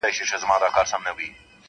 • خره هم ورکړې څو لغتي په سینه کي -